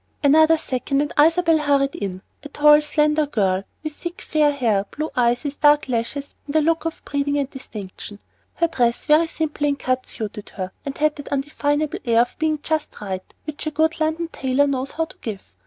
Another second and Isabel hurried in, a tall, slender girl with thick, fair hair, blue eyes with dark lashes, and a look of breeding and distinction. Her dress, very simple in cut, suited her, and had that undefinable air of being just right which a good London tailor knows how to give.